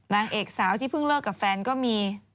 นางเอกสาวที่เพิ่งเลิกกับแฟนก็มี